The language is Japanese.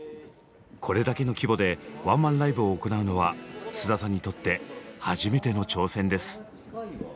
これだけの規模でワンマンライブを行うのは菅田さんにとって初めての挑戦です。